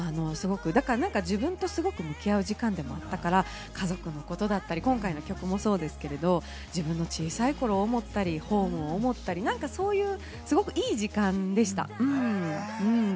自分とすごく向き合う時間でもあったから、家族のことだったり、今回の曲もそうですけれども、自分の小さい頃を思ったりホームを持ったり、何かそういう、いい時間でした。